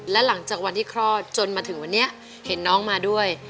และหลังจากวันที่คลอดจนมาถึงวันนี้เห็นน้องมาด้วย